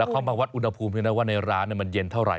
เข้ามาวัดอุณหภูมิด้วยนะว่าในร้านมันเย็นเท่าไห